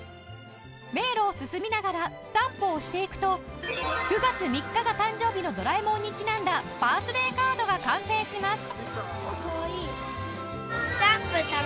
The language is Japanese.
迷路を進みながらスタンプを押していくと９月３日が誕生日のドラえもんにちなんだバースデーカードが完成します